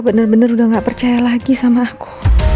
bener bener udah nggak percaya lagi sama aku